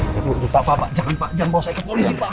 bapak jangan pak jangan bawa saya ke polisi pak